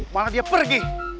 karena dia pergi